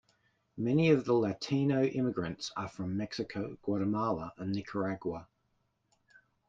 Many of the Latino immigrants are from Mexico, Guatemala and Nicaragua.